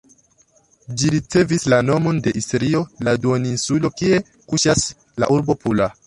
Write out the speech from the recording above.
Ĝi ricevis la nomon de Istrio, la duoninsulo kie kuŝas la urbo Pula.